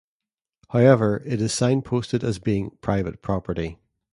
However, it is signposted as being private property.